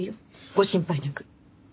ご心配なく。